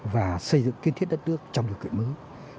và xây dựng kiên thiết đất nước trong điều kiện mới